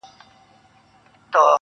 سترگي چي پټي كړي باڼه يې سره ورسي داسـي,